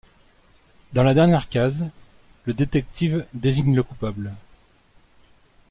Dans la dernière case, le détective désigne le coupable.